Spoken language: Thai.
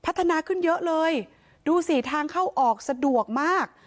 พัฒนาขึ้นเยอะเลยดูสิทางเข้าออกสะดวกมาก